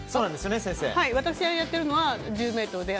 私がやっているのは１０ｍです。